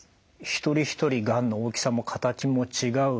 一人一人がんの大きさも形も違う。